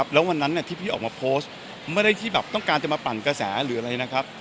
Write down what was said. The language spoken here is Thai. แล้ววันนั้นที่พี่ออกมาโพสต์ไม่ได้ที่แบบต้องการจะมาปั่นกระแสหรืออะไรนะครับ